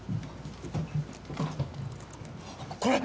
これ！